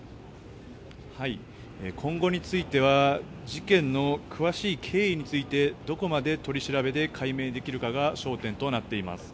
今後については事件の詳しい経緯についてどこまで取り調べで解明できるかが焦点となっています。